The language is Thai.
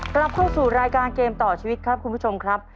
กลับเข้าสู่รายการเกมต่อชีวิตครับคุณผู้ชมครับ